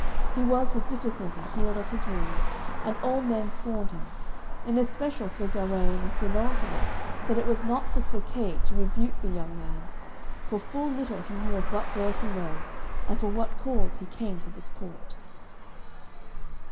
He was with difficulty healed of his wounds, and all men scorned him. In especial Sir Gawaine and Sir Launcelot said it was not for Sir Kay to rebuke the young man, for full little he knew of what birth he was and for what cause he came to this court.